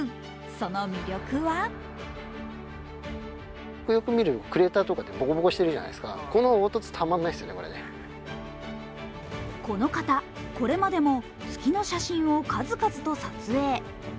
その魅力はこの方、これまでも月の写真を数々と撮影。